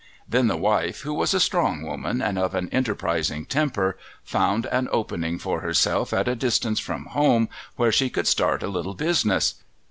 Then the wife, who was a strong woman and of an enterprising temper, found an opening for herself at a distance from home where she could start a little business.